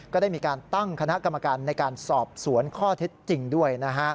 ก็ได้มีการตั้งคณะกรรมการในการสอบสวนข้อเท็จจริงด้วย